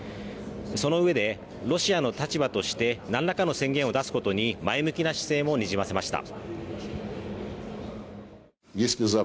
そのうえでロシアの立場としてなんらかの宣言を出すことに前向きな姿勢もにじませました。